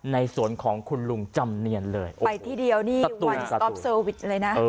ในสวนของคุณลุงจำเนียนเลยไปที่เดียวนี่อะไรนะเอ่อ